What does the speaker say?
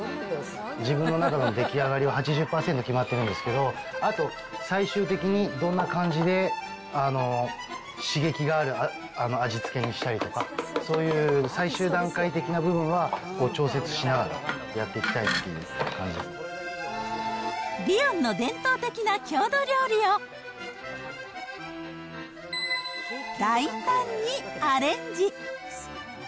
自分の中の出来上がりは８０％決まってるんですけど、あと最終的にどんな感じで刺激がある味付けにしたりとか、そういう最終段階的な部分は調節しながらやっていきたいっていうリヨンの伝統的な郷土料理を、大胆にアレンジ。